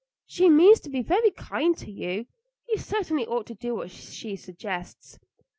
She means to be very kind to you. You certainly ought to do what she suggests."